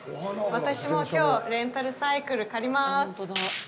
私も、きょうレンタルサイクル借ります。